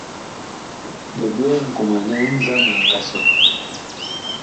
Bi byɛɛ nkomanɛ nzamɛ ɛ nga sɔ.